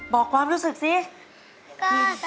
บอกความรู้สึกสิ